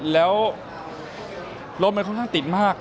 แล้วรถมันค่อนข้างติดมาก